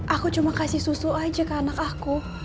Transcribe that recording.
aku cuma kasih susu aja ke anak aku